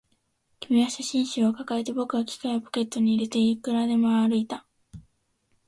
君は写真集を抱えて、僕は機械をポケットに入れて、いくらでも歩いた